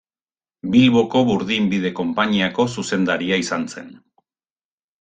Bilboko burdinbide-konpainiako zuzendaria izan zen.